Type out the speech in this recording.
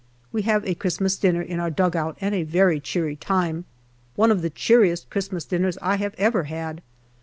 We have a Christmas dinner in our dug out and a very cheery time. One of the cheeriest Christmas dinners I have ever had.